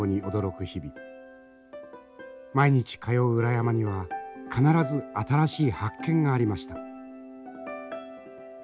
毎日通う裏山には必ず新しい発見がありました。